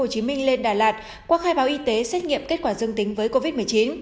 hồ chí minh lên đà lạt qua khai báo y tế xét nghiệm kết quả dương tính với covid một mươi chín